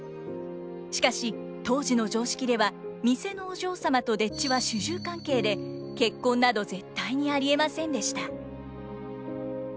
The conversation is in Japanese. しかし当時の常識では店のお嬢様と丁稚は主従関係で結婚など絶対にありえませんでした。